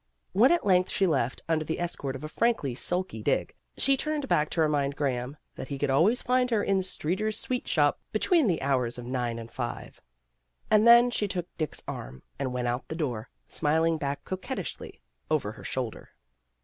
When at length she left under the escort of a frankly sulky Dick, she turned back to remind Graham that he could always find her in Streeter's Sweet Shop between the hours of 228 PEGGY RAYMOND'S WAY nine and five. And then she took Dick's arm, and went out the door, smiling back coquettishly over her shoulder.